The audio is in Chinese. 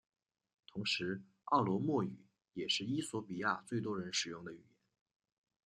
同时奥罗莫语也是衣索比亚最多人使用的语言。